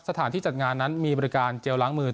สถานที่จัดงานนั้นมีบริการเจลล้างมือ